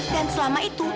dan selama itu